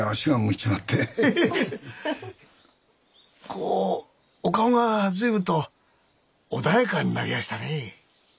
こうお顔が随分と穏やかになりやしたねぇ。